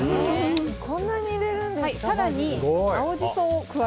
こんなに入れるんですかバジル。